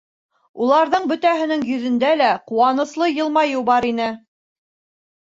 Уларҙың бөтәһенең йөҙөндә лә ҡыуаныслы йылмайыу бар ине.